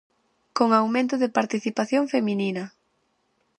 Con aumento de participación feminina.